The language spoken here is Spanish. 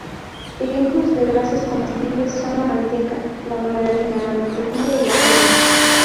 Ejemplos de grasas comestibles son la manteca, la margarina, la mantequilla y la crema.